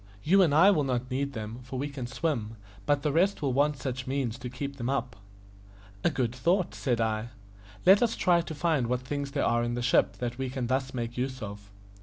You and I will not need them, for we can swim, but the rest will want some such means to keep them up." "A good thought," said I. "Let us try to find what things there are in the ship that we can thus make use of."